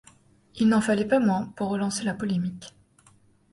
Il n'en fallait pas moins pour relancer la polémique.